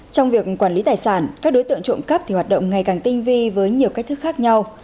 trong việc quản lý tài sản các đối tượng trộm cắp thì hoạt động ngày càng tinh vi với nhiều cách thức khác nhau